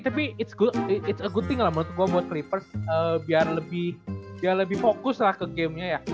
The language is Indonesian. tapi it s a good thing lah menurut gua buat clippers biar lebih fokus lah ke gamenya ya